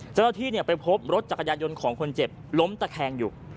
เจ้าหน้าที่ไปพบรถจักรยานยนต์ของคนเจ็บล้มตะแคงอยู่